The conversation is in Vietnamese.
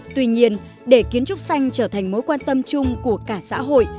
tuy nhiên để kiến trúc xanh trở thành mối quan tâm chung của cả xã hội